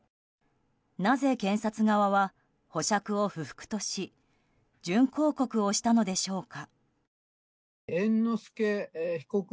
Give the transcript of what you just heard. なぜ検察側は保釈を不服とし準抗告をしたのでしょうか。